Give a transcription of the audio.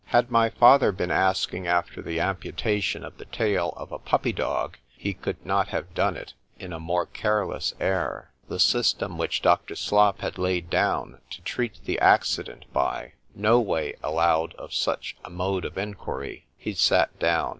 Had my father been asking after the amputation of the tail of a puppy dog—he could not have done it in a more careless air: the system which Dr. Slop had laid down, to treat the accident by, no way allowed of such a mode of enquiry.—He sat down.